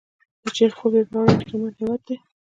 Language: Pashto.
د چین خوب یو پیاوړی او شتمن هیواد دی.